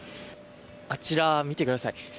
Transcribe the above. あちら見てください。